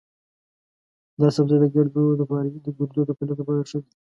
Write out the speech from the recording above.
دا سبزی د ګردو د فعالیت لپاره ښه دی.